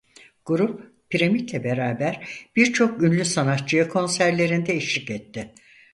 Grup Piramit'le beraber birçok ünlü sanatçıya konserlerinde eşlik etti.